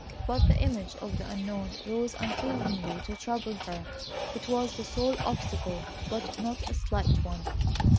But the image of the Unknown rose unceasingly to trouble her. It was the sole obstacle, but not a slight one.